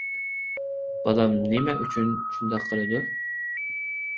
بالام نېمە ئۈچۈن شۇنداق قىلىدۇ؟